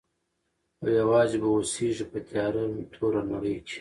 او یوازي به اوسیږي په تیاره توره نړۍ کي.